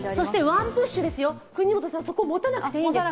ワンプッシュですよ、國本さん、そこ、持たなくていいんです。